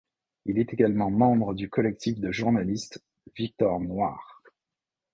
Il est également membre du collectif de journalistes Victor Noir.